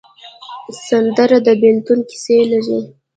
سندره د بېلتون کیسې لري